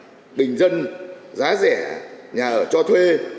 phân khúc nhà ở bình dân giá rẻ nhà ở cho thuê